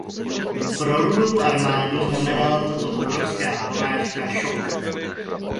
Pro Rudou armádu znamenala tato obrovská porážka šok.